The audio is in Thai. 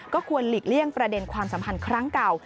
ควรหลีกเลี่ยงประเด็นความสัมพันธ์ครั้งเก่า